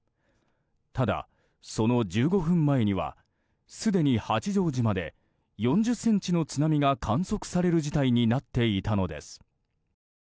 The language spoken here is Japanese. ただ、その１５分前にはすでに八丈島で４０ｃｍの津波が観測される事態になっていたのです。